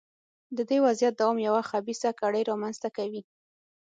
د دې وضعیت دوام یوه خبیثه کړۍ رامنځته کوي.